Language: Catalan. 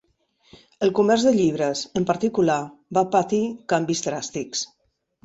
El comerç de llibres, en particular, va patir canvis dràstics.